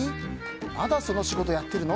まだその仕事やってるの？